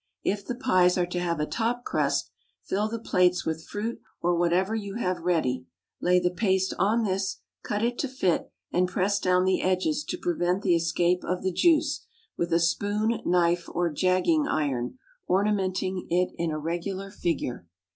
If the pies are to have a top crust, fill the plates with fruit or whatever you have ready, lay the paste on this, cut it to fit, and press down the edges to prevent the escape of the juice, with a spoon, knife, or jagging iron, ornamenting it in a regular figure.